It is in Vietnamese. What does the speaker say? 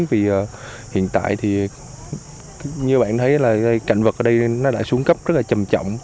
vì hiện tại thì như bạn thấy là cạnh vật ở đây nó đã xuống cấp rất là chầm trọng